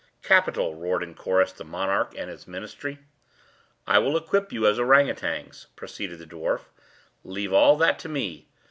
"Capital!" roared in chorus the monarch and his ministry. "I will equip you as ourang outangs," proceeded the dwarf; "leave all that to me.